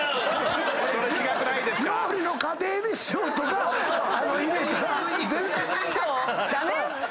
料理の過程で塩とか入れたら。